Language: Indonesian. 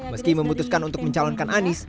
meski memutuskan untuk mencalonkan anies